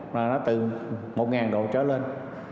là từ một nghìn độ trở lên